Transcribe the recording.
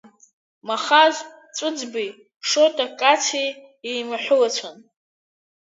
Махаз Ҵәыӡбеи Шоҭа Кациеи еимаҳәылацәан.